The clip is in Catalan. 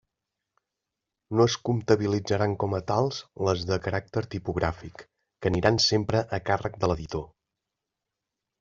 No es comptabilitzaran com a tals les de caràcter tipogràfic que aniran sempre a càrrec de l'editor.